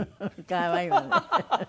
可愛いわね。